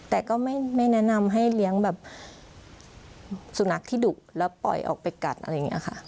แต่ก็ไม่แนะนำให้เลี้ยงแบบสุนัขที่ดุแล้วปล่อยออกไปกัดอะไรอย่างนี้ค่ะ